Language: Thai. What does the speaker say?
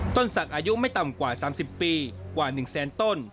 ต้นศักดิ์อายุไม่ต่ำกว่าสามสิบปีกว่าหนึ่งแสนต้น